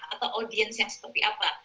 atau audiens yang seperti apa